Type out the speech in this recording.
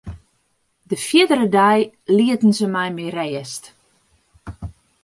De fierdere dei lieten se my mei rêst.